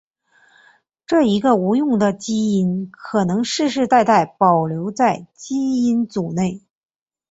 这一个无用的基因可能世世代代保留在基因组内。